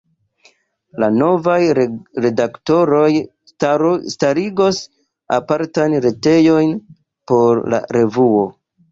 La novaj redaktoroj starigos apartan retejon por la revuo.